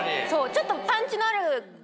ちょっと。